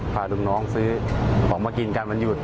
พาลูกน้องซื้อของมากินกันวันหยุด